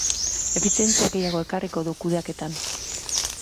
Efizientzia gehiago ekarriko du kudeaketan.